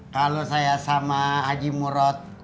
kalau saya sama haji murod